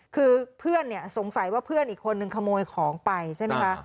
คือเพื่อนสงสัยว่าเพื่อนอีกคนนึงขโมยของไปใช่ไหมคะ